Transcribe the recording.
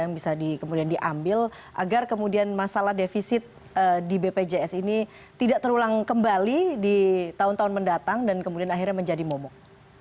yang bisa kemudian diambil agar kemudian masalah defisit di bpjs ini tidak terulang kembali di tahun tahun mendatang dan kemudian akhirnya menjadi momok